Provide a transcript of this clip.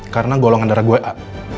karena golongan darah gue a